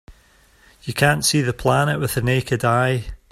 You can't see the planet with the naked eye.